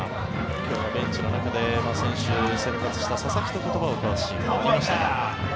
今日はベンチの中で選手先発した佐々木と言葉を交わしていました。